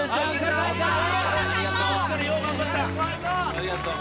ありがとう。